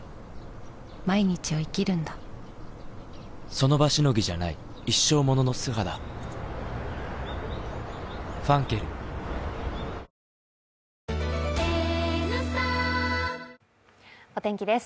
その場しのぎじゃない一生ものの素肌磧ファンケル」お天気です。